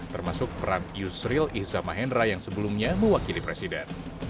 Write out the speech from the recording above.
termasuk peran yusril iza mahendra yang sebelumnya mewakili presiden